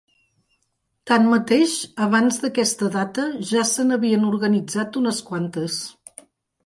Tanmateix, abans d'aquesta data ja se n'havien organitzat unes quantes.